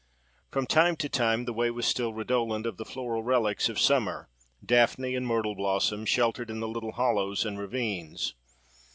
From time to time, the way was still redolent of the floral relics of summer, daphne and myrtle blossom, sheltered in the little hollows and ravines.